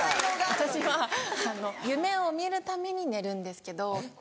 私は夢を見るために寝るんですけど。